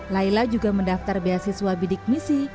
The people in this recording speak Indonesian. laila juga mendaftar beasiswa bidik misi